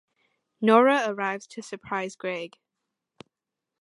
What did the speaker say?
Nora arrives to surprise Greg.